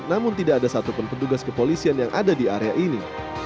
namun tidak ada satupun petugas kepolisian yang ada di area ini